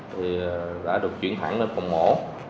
thì đã được chuyển thẳng lên phòng mổ